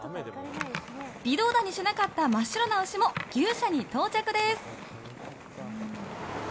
微動だにしなかった真っ白な牛も牛舎に到着です。